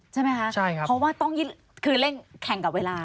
ใช่ไหมคะใช่ครับเพราะว่าต้องคือเร่งแข่งกับเวลา